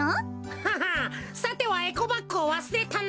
ははさてはエコバッグをわすれたな？